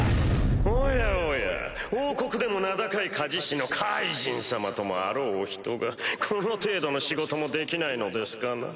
おやおや王国でも名高い鍛冶師のカイジン様ともあろうお人がこの程度の仕事もできないのですかな？